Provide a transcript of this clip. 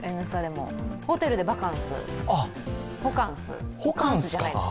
ホテルでバカンス。